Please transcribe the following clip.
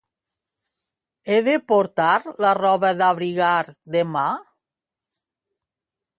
He de portar la roba d'abrigar demà?